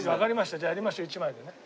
じゃあやりましょう１枚でね。